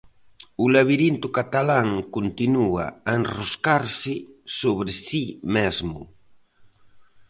O labirinto catalán continúa a enroscarse sobre si mesmo.